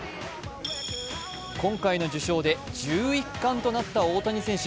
今回の受賞で１１冠となった大谷選手。